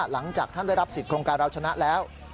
หลังจากท่านได้รับสิทธิโครงการเราชนะแล้ว